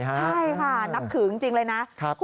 ใช่ค่ะนับถือจริงเลยนะ